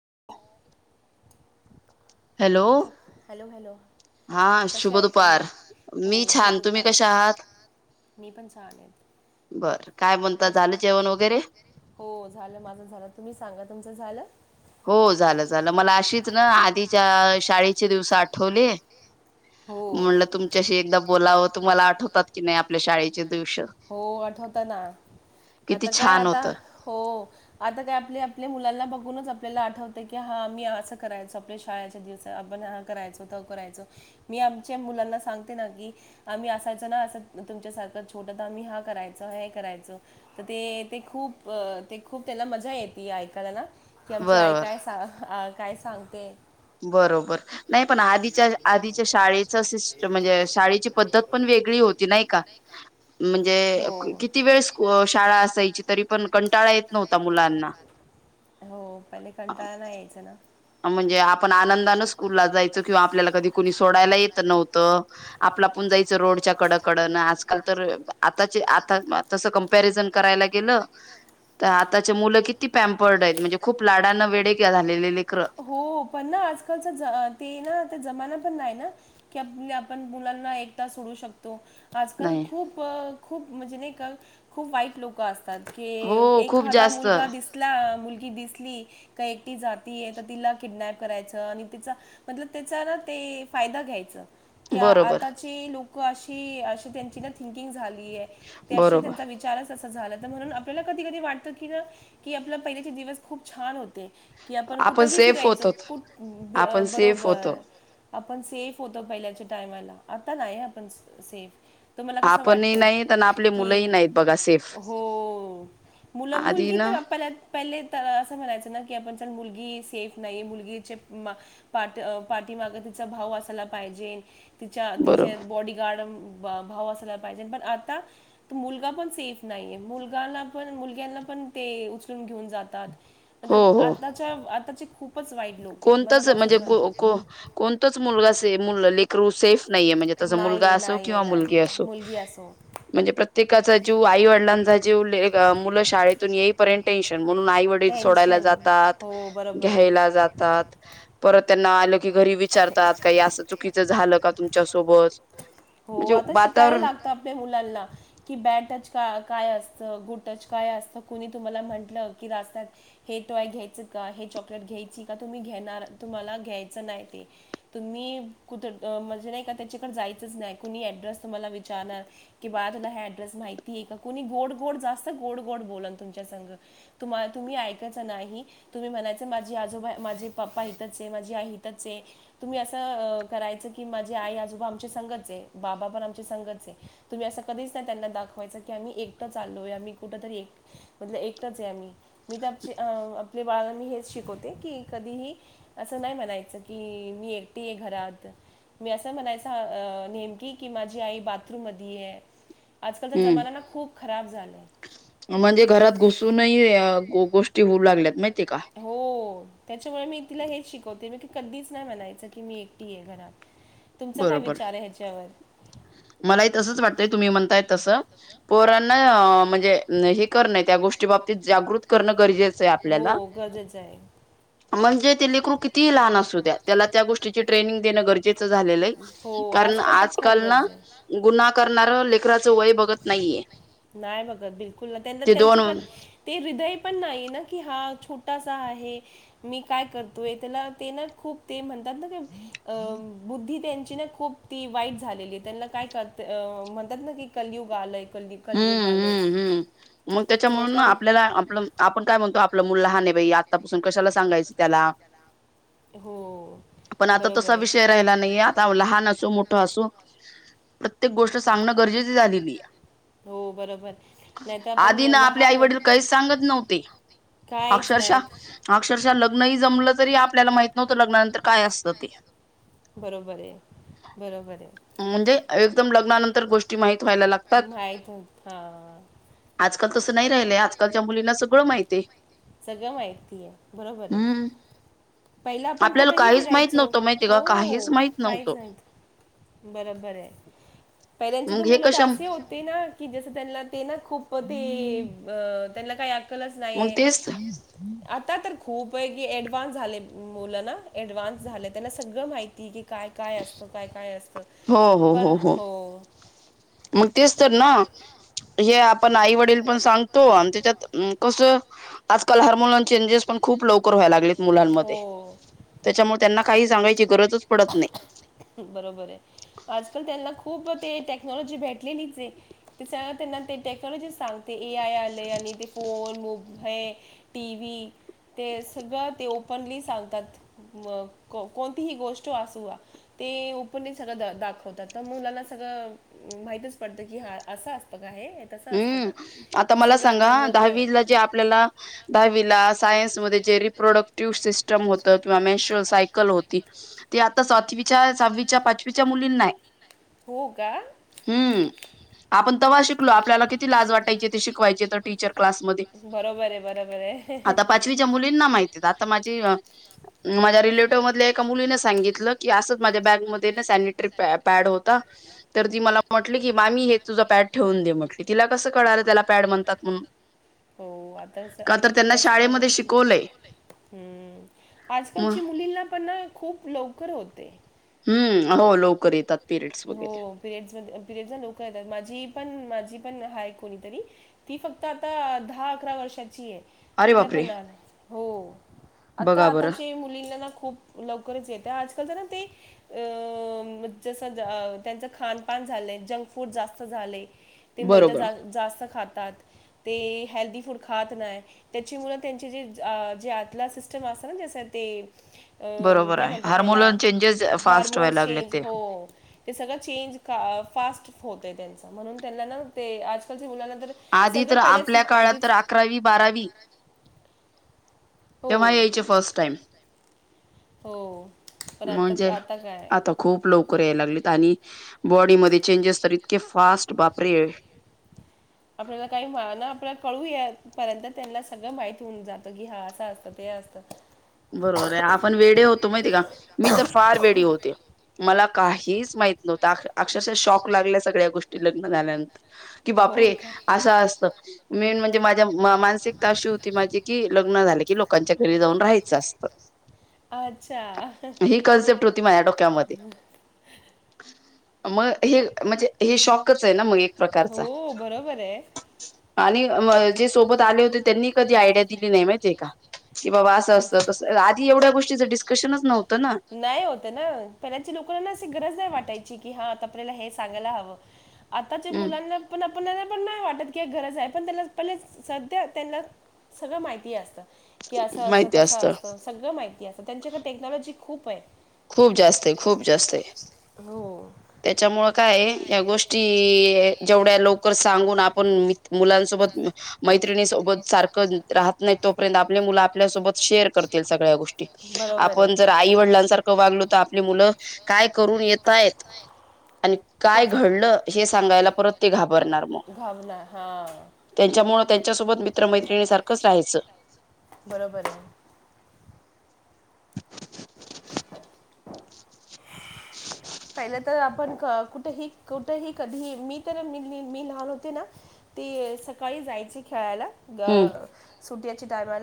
[inaudible] Hello hello कसे आहेत तुम्ही हो शुभ दु मी पण छान आहेत हो झालं माझ झालं तुम्ही सांगा तुमच झालं. हो झालं झालं मला अशीच ना आधीच्या शाळेचे दिवस आठवले. म्हंलं तुमच्याशी एकदा बोलाव. तुम्हाला आठवतात की नाही आपल्या शाळेचे हो आठवत ना, आता काय आता, हो. आता काय आपले आपल्या मुलांना बघूनच आपल्याला आठवते की हा आम्ही असं करायचो आपल्या शाळेच्या दिवस आपण हा करायचो तो करायचो मी आमच्या मुलांना सांगते ना की आम्ही असायचो ना असं तुमच्यासारखं छोट त आम्ही हा करायचो हे करायचो तर ते ते खूप ते खूप त्यांना मजा येते ऐकायला ना. कि आमची आई काय सा काय सांगते. बरोबर नाही पण आधीच्या आधीच्या शाळेचा सिस्ट म्हणजे शाळेची पद्धत पण वेगळी होती नाही का. म्हणजे किती वेळ स्कू शाळा असायची तरी पण कंटाळा येत नव्हता मुलांना. म्हणजे आपण आनंदान स्कूलला जायचो किंवा आपल्याला कधी कुणी सोडायला येत नवत आपला आपुण जायचं रोडच्या कडकडन आजकाल तर आताचे आता तस कपरिझन करायला गेलं तर आताची मुल किती पमपर्ड आहेत म्हणजे खूप वेडे झालेले ले हो पण ना आजकालच ते ना आता जमाना पण नाही ना, की आप आपल्या मुलांना एकदा सोडू शकतो, आजकाल खूप खूप म्हणजे नाही का खूप वाईट लोकं अस [unintelligible] एखादा मुलगा दिसला मुल ती दिसली का एकटी जात ती आहे तर तिला किडनॅप करायचं आणि तिचा मतलब त्याच हाय ना ते फायदा घ्यायचं. त्या आताचे लोक [unintelligible] अशी अशी त्यांची ना थिंकिंग झाली झालीय, ते अशी त्यांचा विचारच तसं झालं तर म्हणून आपल्याला कधी कधी वाटतं की ना की आपला पहिल्याचे दिवस खूप छान होते. कि आपण कुठही फिरायचो बरोबर. आपण सेफ होतो पहिल्याच्या टायमाला आता नाही आपण सेफ. तुम्हाला कसं वाटतय कि हो मुलं मुलगी तर आपल्यात पहिले तर असं म्हणयच ना की आपण तर मुलगी सेफ नाही मुलगीचे पाठीमाग तचा भाव असायला पाहिजे. तिच्या तिचे बॉडीगार्डम भाव असयला पाहिजे पण आता मुलगा पण सेफ नाहीये मुलगाला पण मुलग्यांना पण ते उचलून घेऊन जातात. हो हो. आताचे खूप कोणतच म्हणजे कोणतच मुलगा असे मुल लेकरू सेफ नाही म्हणजे त मुलगा असो किंवा मुलगी असो म्हणजे प्रत्येक [unintelligible] जीव आई वडिलांचा जीव मुलं शाळेतून येईपर्यंत टेन्शन म्हणून आई वडील सोडायला जातात, घ्यायला जा परत त्यांना आलं की घरी विचारतात काही असं चुकीचं झालं का तुमच्या सोबत म्हणजे वातावरण टच का काय असत गुड टच काय असत कुणी तुम्हाला म्हंटलं की रस्त्यात हे टोय घ्यायचं का हे चॉकलेट घ्यायची का तुम्ही घेणार तुम्हाला घ्यायचं नाही ते तुम्ही कुठ म्हणजे नाही का त्याच्याकडे जायचंच नाही कुणी ऍड्रेस तुम्हाला विचारणार की बा तुला ह्या माहिती आहे का कुणी गोड गोड जास्त गोड गोड बोला तुमच्या सं तुम्हाला तुम्ही ऐकायचं नाही तुम्ही म्हणायच माझी आजोबा माझे पप्पा इथच आहे माझी आई हथच आहे तुम्ही असं करायचं की माझी आई आजोबा आमचे संगत आहे बाबा पण आमचे संगत आहे तुम्ही असं कधीच त्यांना दाखवायच की आम्ही एकट चालोी कुठ तरी एक म्ह एकटच आहे आम्ही मी आपले बाळा मी हेच शिकवते की कधीही असं नाही म्हणायच की मी एकटे आहे घरात मी असं म्हणायच नेमकी की माझी आई बाथरूम मध आहे हम्म म्हणजे घरात घुसूनही गोष्टी हो लागत हो त्याच्यामुळे मी तिला हेच शिकवते मी कधीच नाही म्हणायचं की मी एकटी आहे घरात बरोबर मलाही तसच वाटतय तुम्ही म्हणताय तस पोर म्हणजे हे करणं त्या गोष्टी बाबतीत जागृत करणं गरजेचं आपल्याला म्हणजे ते लेकरू किती लहान असू द्या त्याला त्या गोष्टीची ट्रेनिंग देण गरजेचं कार आज गु करणारं लेकराचं वय बघत नाहीये नाही बघ बिलकुल ना त्यां त्यांच्याक ते हृदय पण नाही ना की हा छोटासा आहे मी काय करतोय त्याला ते ना खूप ते म्हण त्या अ बुद्ध त्यां ख वाई झाली काय म्हणात क हम्म हम्म हम्म मग त्याच्यामुून ना आपल्याला आपलं आपण काय म्हणतो आपलं मुल ल हान बा आत्तापासून कशाला सांगायचं त्याला पण आता तसा विषय राहिला नाहीये आता लहान असू मोठ असू प्रत्येक गोष्ट सांगणं गरजेची झालेली आहे आधी ना आपले आई वडील काहीच सांगत नव्हते अक्षरशः अक्षरशः लग्न ह जमलं तरी आप आपल्याला माहित नव्हतं लग्नानंतर काय असतं ते बरोबर आहे बरोबर आहे एकदम लग्नानंतर गोष्टी माहिती व्हायला लागतात अ हा आजकाल तसं नाही राहिलंय आजकालच्या मुलीला सगळं माहिती आहे सगळं माहितीय बरोबर आहे पहिला आपण कुठेही फिरायचो हो काहीच नाही बरोबर आहे पहिल्याचे तर मुलं तर असे होते की जस त्यांना ते ना खूप ते अ त्यांला काय कलाच नाहीये आता तर खूप आहे की डव्हान्स झाले मुलं ना डव्हान्स झाले त्यांना सगळं माहिती की काय काय असत काय काय असत पण हो पण आई वडील पण सांगतो आणि त्याच्यात कसं आजकाल हार्मोनिम चेंजेस पण खूप लवकर व्हाय लागले मुलांमध्ये त्याच्यामुळे त्यांना काही सांगाची गरज बरोबर आहे आजकाल त्यांना खूप ते टेक्नॉलॉजी भेटलेली सग त्यांना ते टेक्नॉलॉजी सांगते ए आय आले आणि ते फोन हे टी व्ही ते सगळं ते ओपनली सांगतात कोणतीही गोष्ट र सगळं दाखवतात तर मुलाला सगळं माहितच पडत की हा असा हम्म आता मला सांगा दहावीला जे आपल्याला दहावीला सायन्समध्येध्ये जे रिप्रोडक्टिव्ह सिस्टम होत किंवा मेशुल सायकल होती तेी आता सातवीच्या सहावीच्या पाचवीच्या मुलींना हम्म आपण तवाशिक आपल्याला किती लाज वाटायची ते शिकवायचे ते टीचर क्लास मध्ये आता पाचवीच्या मुली माव ए मु सित कझ हो म्ह ठेवून दे म्हटली तिला कसं कळ त्याला पॅड म्हणतात म्हण हो आताच आता व हम् आजकालची मुलीला पण खूप लवकर होते हम्म हो लवकर येतात हो पिरियड म पिरियड लोक येतात माझी पण माझी पण हाय कोणीतरी ती फक्त आता दहा अकरा वर्षाची आहे तला पणालं आता आताचे मुलींना ना खूप लवकरच येते आजकाल तर ना ते अ जस ज त्यांचं खानपान झालं जंक फूड जास्त झाले ते मैदा जा जास्त खात ते हेल्थी फूड खात नाही त्याच्या मुळ त्यांचे जे जे आतला सिस्टम असत ना जसं ते अ काय म्हणतात त्याला हॉर्मोन्स चेंज हो ते सगळं चेंज फास् होत त्यां म्हणून त्यांना ना ते आजल आधी तर आपल्या काळात तर अकरावी बारावी तेव्हा यायचे फर्स्ट टाइम हो म्हणजे आता खूप लोक लवकर यायला लागलेत आणि बॉडीमध्ये चेंजेस तर इतके फास्ट बापरे! आपल्याला काही ना आपल्याला कळू या पर्यंत त्यांना सगळं माहित होऊन जातं घ्या असं असतं ते असतं. बरोबर आहे आपण वेडे होतो माहितीेहाय का मी तर फार वेडी होते मला काहीच माहित नव्हता अक्षरशा शॉक लागल्या सगळ्यात. गोष्टी लग्न झाल्यानंतर. कि बापरे असं असत. मेन म्हणजे माझ्या मानसिकता अशी होती माझी की लग्न झाले की लोकांच्या घरी जाऊन राहायच. जास्त. अच्छा हा हा. मग हे म्हणजे हे शॉकच आहे ना मग एक प्रकारचा. आणि जे सोबत आले होते त्यांनी कधी आयडिया दिली नाही माहितीे का. कि बाबा असं असत. आधी एवढं गोष्टीच डिस्कशनच नाय होत. नाही होत ना पहिल्याची लोकांना अशी गरज नाही वाटायची. की हा आता आपल्याला हे सांगायला हवं. आताच्या मुलांना पण आपण पण नाही वाटत की एक गरज आहे पण त्याला त्याला सध्या त्यांना सगळं माहिती असतं. कि असं असत तस असतं सगळं माहिती असत त्यांच्याकडे टेक्नॉलॉजी खूपय. खूप जास्त आहे खूप जास्त आहे त्याच्यामुळं काय या गोष्टीयय जेवढ्या लवकर सांगून आपण मुलांसोबत मैत्रिणी सोबत सारखं राहत नाही तोपर्यंत आपले मुलं आपल्यासोबत शेअर करतील सगळ्या गोष्टी. आपण जर आई वडिलांसार वागलो तर आपली मुलं काय करून येतायेत. आणि काय घडलं हे सांगायला प्रतिघात. करणार ना त्यांच्यामुळ. त्यांच्यासोबत मित्रमैत्रिणीसारखंच राहायचं. बरोबर ये [unintelligible] पहिलं तर आपण कुठही कुठही कधी मी तर मी मी लहान होते ना ते सकाळी जायचे खेळायला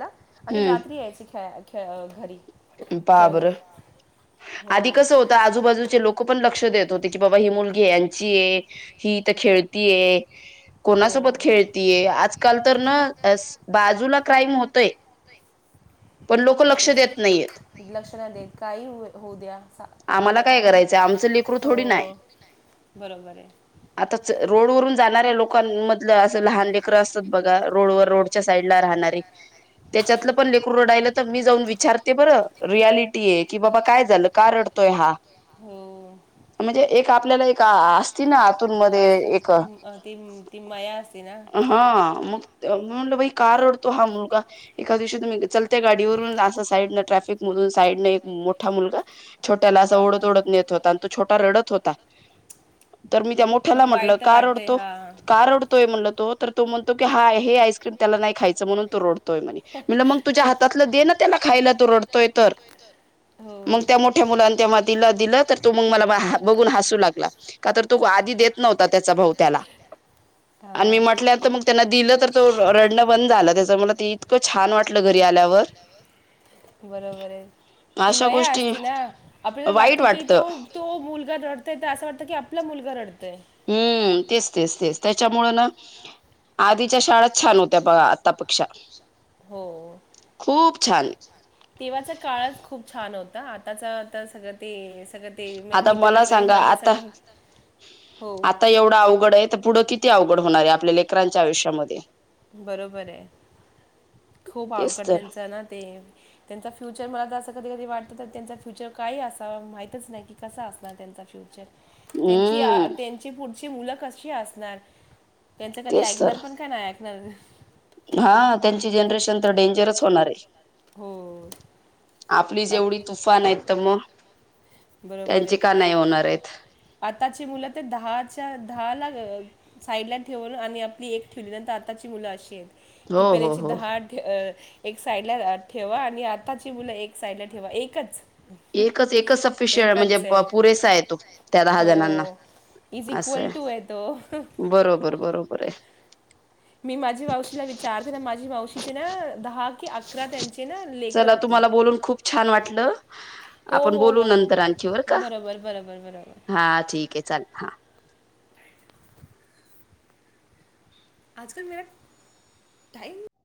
[unintelligible] [unintelligible] आणि रात्री यायची खेळायला. खेळ घरी. पा बरं आधी कस होतं आजूबाजूचे लोक लोक पण लक्ष देत होते. की बाबा ही मुलगी यांची आहे ही इथ खेळतीय. कोणासोबत खेळतीय आजकाल तर ना बाजूला क्राईम होतय पण लोक लक्ष देत लक्ष नाही देत काही होऊ द्या. आम्हाला काय हो हो बरोबर आहे. रोड वरून जाणाऱ्या लोकांमधल असं लहान लेकरं असतात बघा रोडवर रोडच्या साईड ला राहणारे. त्याच्यातलं पण लेकरू रडायलं तर मी जाऊन विचार ते बरं रियालिटी ये कि बाबा काय झालं का रडतोय हा. हो. आपल्याला एका असती ना असं ती ती मया असती ना. म्हटलं बाई का रडतो हा मुलगा एका दिवशी तुम्ही चलत्या गाडीवरून अस साईड न ट्रॅफिक मधून साईड न एक मोठा मुलगा छोट्याला अस ओढत ओढत नेत होता आणि तो छोट रडत होता. तर मी त्या मोठ्याला म्हटलं का रडतो का रडतोय म्हटलं. तो तर तो म्हणतो हा हे आईक्रीम त्याला नाही खायचं म्हणून तो रडतो. म्हणे मग तुझ्या हातातलं दे ना त्याला. रडतोय तर. मग त्या मोठ्या मुलांन तेव्हा दिल दिलं तर तो मग मला [unintelligible] बघून हसू लागला. का तर तो आधी देत नव्हता त्याचा भाऊ त्याला आणि मी म्हटल्यानंतर मग त्यांना दिलं तर तो रडणं बंद झालं. त्याच मला ते इतकं छान वाटलं घरी आल्यावर. बरोबर आहे ती मया असती ना. आपल्याला वाटतं कि तो तो मुलगा रडतोय. तर असं वाटतं की आपला मुलगा रडतंय. हम्म, तेच तेच तेच त्याच्यामुळं ना आधीच्या शाळा छान होत्या बघा आतापेक्षा. खूप. छान. तेव्हाचा काळच खूप छान होता. आताच तर सगळं ते आता मला सांगा आता, आता एवढं अवघड आहे तर पुढं किती अवघड होणारया आपल्या लेकरांच्या आयुष्यामध्ये. बरोबर आहे. खूप अवघड त्यांच ना ते त्यांचा फ्युचर मला तर असं कधी कधी वाटत आता त्यांचा फ्युचर काही असाव माहीतच नाही की कसा असणार त्यांचा फ्युचर. त्यांची अ त्यांची पुढ ती मुल कशी असणार. त्यांच कधी ऐकणार पण काय नाय [unintelligible] हा त्यांची जनरेशन तर डेंजरच होणार आहे. हो. आपली जेवढी तुफान आहेत तर मग बरोबर आहे आताची मुलं ते दहाच्या दहा ला तर साईड ला ठेवून आणि आपली एक ठेवली तर आताची मुलं अशी आहेत. कि पहिल्याची दहा ठे अ एक साइड अ ला ठेवा आणि आताची मुलं एक साइड ला ठेवा एकच एकच एकच सफिश शे म्हणजे पुरेसा य तो त्या दहा जणांना असंय बरोबर बरोबर आहे. [unintelligible] मी माझी मावशीला विचारते ना माझी मावशीचे ना दहा चला तुम्हाला बोलून खूप छान वाटलं आपण बोलू नंतर आणखी बर का हा ठीक आहे चाल हा आजकल मेरा टाईम [unintelligible]